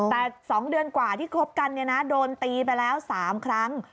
แต่๒เดือนกว่าที่คบกันโดนตีไปแล้ว๓ครั้ง